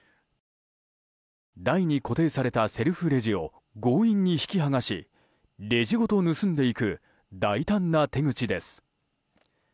台に固定されたセルフレジを強引に引きはがしレジごと盗んでいく大胆な手口です。